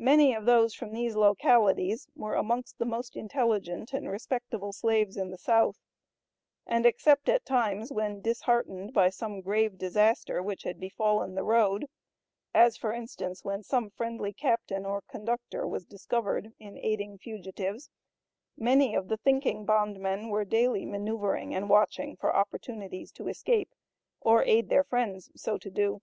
Many of those from these localities were amongst the most intelligent and respectable slaves in the South, and except at times when disheartened by some grave disaster which had befallen the road, as, for instance, when some friendly captain or conductor was discovered in aiding fugitives, many of the thinking bondmen were daily manoeuvering and watching for opportunities to escape or aid their friends so to do.